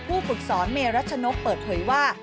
ผู้ฝึกสอนเมรัชนกเปิดเผยว่า